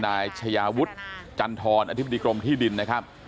นายชายาวุฒิจันทรอธิบดีกรมที่ดินนะครับ